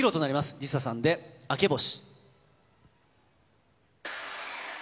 ＬｉＳＡさんで『明け星』。